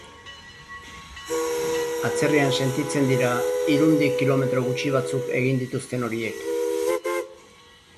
Atzerrian sentitzen dira Irundik kilometro gutxi batzuk egin dituzten horiek.